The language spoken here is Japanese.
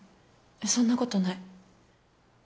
そんなことない。